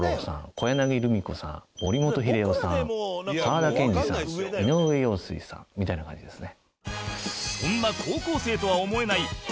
小柳ルミ子さん森本英世さん沢田研二さん井上陽水さんみたいな感じですね。